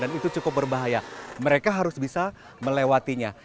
dan itu cukup berbahaya mereka harus bisa melewatinya